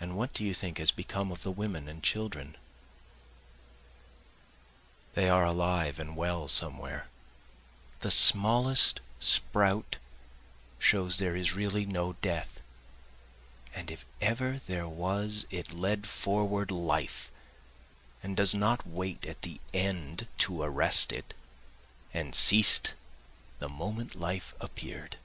And what do you think has become of the women and children? They are alive and well somewhere, The smallest sprout shows there is really no death, And if ever there was it led forward life, and does not wait at the end to arrest it, And ceas'd the moment life appear'd.